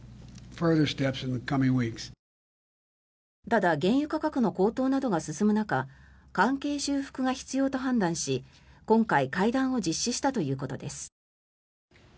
ただ原油価格の高騰などが進む中関係修復が必要と判断し今回、会談を実施したということです。